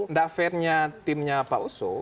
dan dafernya timnya pak uso